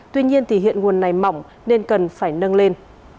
tuy nhiên thì hiện nguồn này mỏng nên cần phải nâng lên